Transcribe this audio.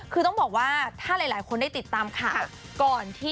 คือต้องบอกว่าถ้าหลายคนได้ติดตามข่าวก่อนที่